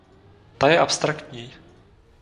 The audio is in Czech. Ta je abstraktní.